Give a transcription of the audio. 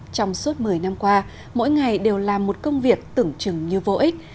trong suốt một mươi năm qua mỗi ngày đều làm một công việc tưởng chừng như vô ích